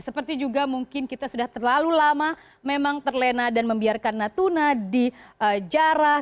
seperti juga mungkin kita sudah terlalu lama memang terlena dan membiarkan natuna di jarah